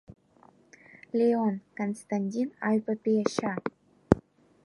Леон, Константин Аҩбатәи иашьа…